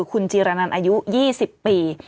คุณจีรนันอายุ๒๐ปี